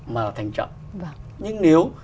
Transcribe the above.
mà thành trận nhưng nếu